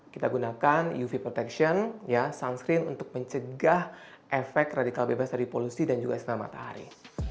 kita gunakan uv protection sunscreen untuk mencegah efek radikal bebas dari polusi dan juga sinar matahari